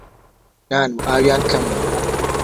نان و ئاویان کەم ماوە